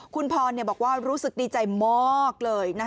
คุณพรบอกว่ารู้สึกดีใจมากเลย